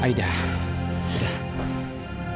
aku juga suka merasa seperti itu nena